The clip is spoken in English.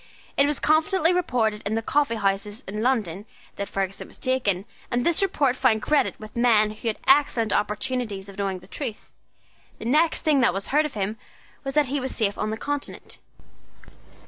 It was confidently reported in the coffee houses of London that Ferguson was taken, and this report found credit with men who had excellent opportunities of knowing the truth. The next thing that was heard of him was that he was safe on the Continent.